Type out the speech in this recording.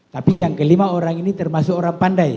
tapi yang kelima orang ini termasuk orang pandai